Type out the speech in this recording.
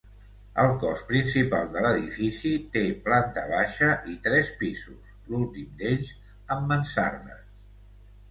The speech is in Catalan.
El cos principal de l'edifici té planta baixa i tres pisos, l'últim d'ells amb mansardes.